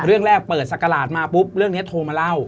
เรื่องแรกเปิดศักราชมาปุ๊บเรื่องนี้โทรมาเล่า